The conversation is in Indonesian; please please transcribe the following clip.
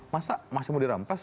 masa masih mau dirampas